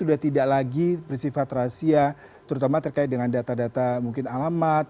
sudah tidak lagi bersifat rahasia terutama terkait dengan data data mungkin alamat